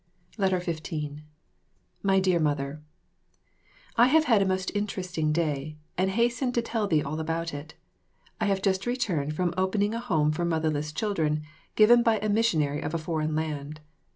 15 My Dear Mother, I have had a most interesting day, and I hasten to tell thee all about it. I have just returned from opening a home for motherless children, given by a mission of a foreign land.